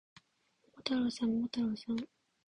桃太郎さん、桃太郎さん